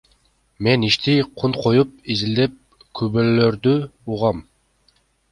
Мен ишти кунт коюп изилдеп, күбөлөрдү угам.